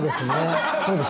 そうですね